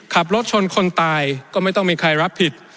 ขับรถชนคนตายก็ไม่ต้องมีใครรับผิด